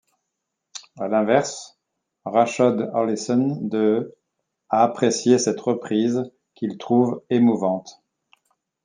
À l'inverse, Rashod Ollison de ' a apprécié cette reprise qu'il trouve émouvante.